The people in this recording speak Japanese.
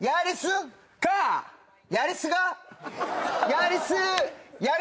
やりす。